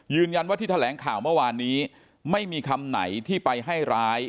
ยืนยันว่าที่แถลงข่าวเมื่อวานนี้ไม่มีคำไหนที่ไปให้ร้าย